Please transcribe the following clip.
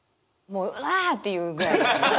もう「わぁ」っていうぐらい。